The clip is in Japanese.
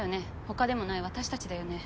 他でもない私たちだよね。